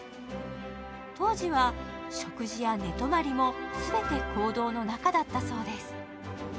当時は食事や寝泊まりも全て坑道の中だったそうです。